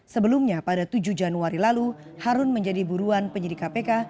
sebelumnya pada tujuh januari lalu harun menjadi buruan penyidik kpk